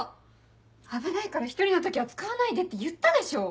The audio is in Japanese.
危ないから１人の時は使わないでって言ったでしょ。